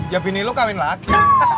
ya bini lo kawin lagi